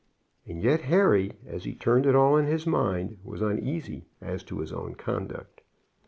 And yet Harry, as he turned it all in his mind was uneasy as to his own conduct.